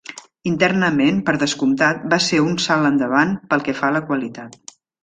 Internament, per descomptat, va ser un salt endavant pel que fa a la qualitat.